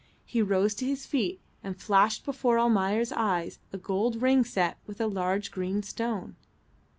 He rose to his feet and flashed before Almayer's eyes a gold ring set with a large green stone.